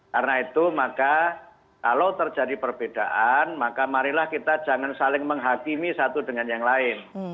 karena itu kalau terjadi perbedaan mari kita jangan saling menghakimi satu dengan yang lain